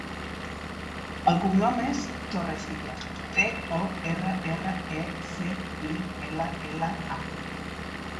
El cognom és Torrecilla: te, o, erra, erra, e, ce, i, ela, ela, a.